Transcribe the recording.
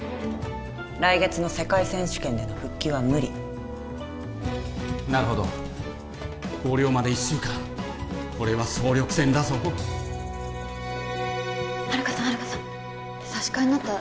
来月の世界選手権での復帰は無理なるほど校了まで１週間これは総力戦だぞ遥さん遥さん